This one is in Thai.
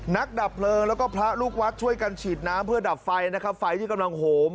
นักดับเบลอแล้วก็พระลูกวัดช่วยกันฉีดน้ำ